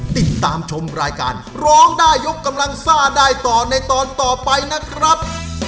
ติดตามชมรายการร้องได้ยกกำลังซ่าได้ต่อในตอนต่อไปนะครับ